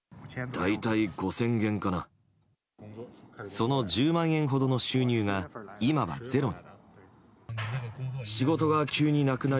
その１０万円ほどの収入が今はゼロに。